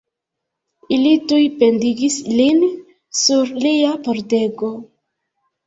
Ili tuj pendigis lin sur lia pordego.